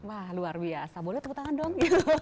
wah luar biasa boleh tepuk tangan dong